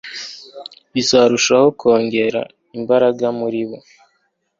bizarushaho kongera imbaraga muribo